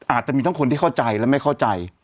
อาจจะมีทั้งคนที่เข้าใจและไม่เข้าใจ